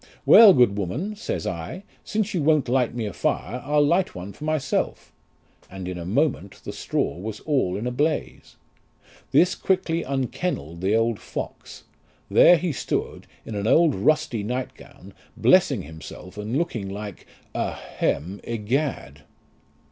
Well ! good woman, says I, since you won't light me a fire, I'll light one for myself ; and in a moment the straw was all in a blaze. This quickly unkennelled the old fox; there he stood in an old rusty night gown, blessing himself, and looking like a hem egad."